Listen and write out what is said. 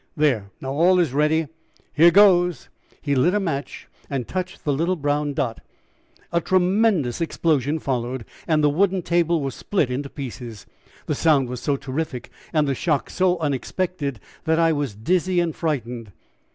There now all is ready here goes!" He lit a match and touched the little brown dot a tremendous explosion followed and the wooden table was split into pieces. The sound was so terrific and the shock so unexpected that I was dizzy and frightened.